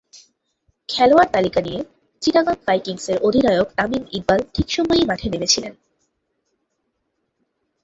খেলোয়াড় তালিকা নিয়ে চিটাগং ভাইকিংসের অধিনায়ক তামিম ইকবাল ঠিক সময়ই মাঠে নেমেছিলেন।